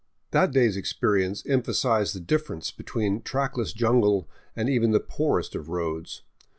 That day's experience emphasized the difference between trackless jungle and even the poorest of roads.